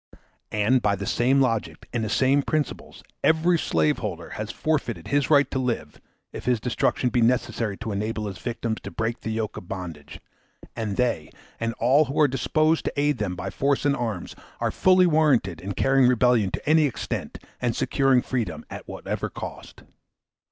And by the same logic and the same principles, every slave holder has forfeited his right to live, if his destruction be necessary to enable his victims to break the yoke of bondage; and they, and all who are disposed to aid them by force and arms, are fully warranted in carrying rebellion to any extent, and securing freedom at whatever cost.